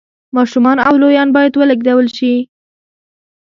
ماشومان او لویان باید ولېږدول شي